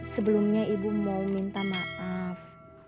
sebelumnya ibu mau minta maaf